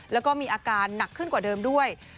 แล้วก็มีอาการหนักขึ้นกว่าเดิมด้วย